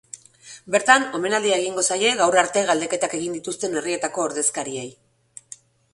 Bertan, omenaldia egingo zaie gaur arte galdeketak egin dituzten herrietako ordezkariei.